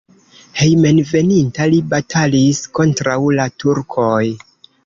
Hejmenveninta li batalis kontraŭ la turkoj.